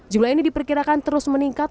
jumlah ini diperkirakan terus meningkat